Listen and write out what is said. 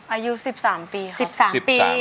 อายุ๑๓ปีครับ